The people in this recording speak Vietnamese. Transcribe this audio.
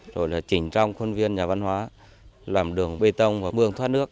rồi là chỉnh trong khuôn viên nhà văn hóa làm đường bê tông và mương thoát nước